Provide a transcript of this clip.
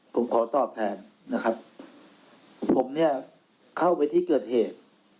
ผมขอตอบแทนนะครับผมเนี่ยเข้าไปที่เกิดเหตุ